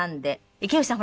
池内さん